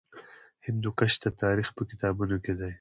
هندوکش د تاریخ په کتابونو کې دی.